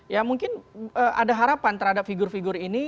ya mungkin ada harapan terhadap figur figur ini